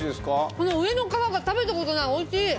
この上の皮が食べたことない！